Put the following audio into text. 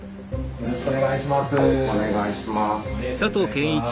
よろしくお願いします。